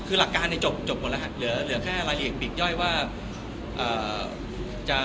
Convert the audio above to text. คือหลักการจบบนรหัสเหลือแค่รายละเอียดปิดย่อยว่า